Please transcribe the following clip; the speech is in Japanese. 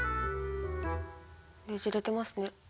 ねじれてますね。